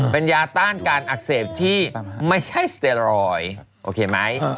เป็นยาต้านการอักเสบที่ไม่ใช่สเตรอยด์โอเคไหม